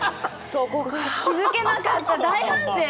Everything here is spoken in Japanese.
そこか気づけなかった大反省